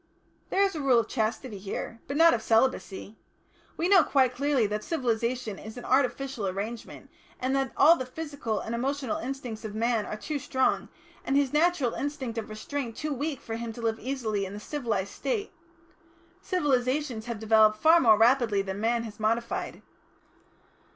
"There is a Rule of Chastity here but not of Celibacy. We know quite clearly that civilisation is an artificial arrangement, and that all the physical and emotional instincts of man are too strong, and his natural instinct of restraint too weak, for him to live easily in the civilised State. Civilisation has developed far more rapidly than man has modified.